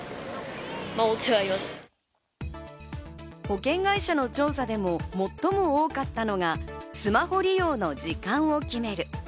保険会社の調査でも、最も多かったのがスマホ利用の時間を決める。